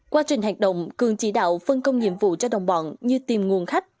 quá trình hoạt động cường chỉ đạo phân công nhiệm vụ cho đồng bọn như tìm nguồn khách